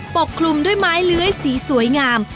กคลุมด้วยไม้เลื้อยสีสวยงาม